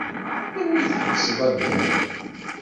Melmi i tḥebseḍ addal?